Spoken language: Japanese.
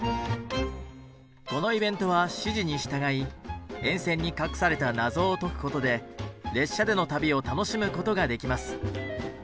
このイベントは指示に従い沿線に隠された謎を解くことで列車での旅を楽しむことができます。